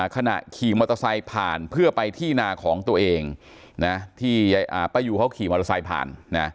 ขณะขี่มอเตอร์ไซค์ผ่านเพื่อไปที่นาของตัวเองที่ป้ายูเขาขี่มอเตอร์ไซค์ผ่าน